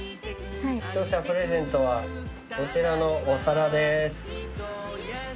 視聴者プレゼントはこちらのお皿です。